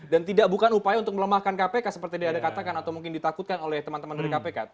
dan tidak bukan upaya untuk melemahkan kpk seperti diadakan atau mungkin ditakutkan oleh teman teman dari kpk